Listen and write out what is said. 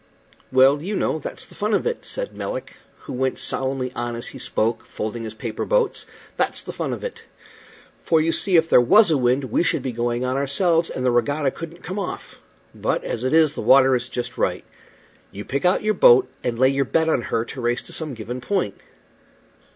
"Well, you know, that's the fun of it," said Melick, who went solemnly on as he spoke, folding his paper boats; "that's the fun of it. For you see if there was a wind we should be going on ourselves, and the regatta couldn't come off; but, as it is, the water is just right. You pick out your boat, and lay your bet on her to race to some given point."